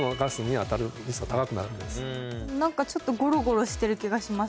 何かちょっとゴロゴロしてる気がします